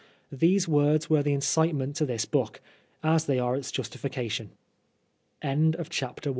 These words were the incitement to this book, as they are its justification. II As Alphonse D